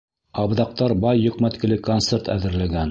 Абҙаҡтар бай йөкмәткеле концерт әҙерләгән.